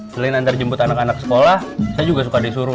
selain antarjemput anak anak sekolah saya juga suka disuruh